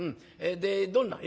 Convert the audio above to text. でどんな？」。